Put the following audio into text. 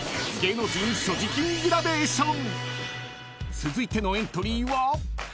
［続いてのエントリーは］